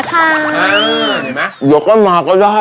เดี๋ยวก็มาก็ได้